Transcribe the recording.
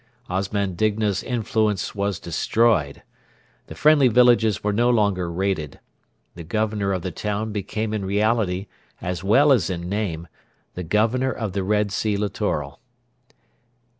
Osman Digna's influence was destroyed. The friendly villages were no longer raided. The Governor of the town became in reality, as well as in name, the Governor of the Red Sea Littoral.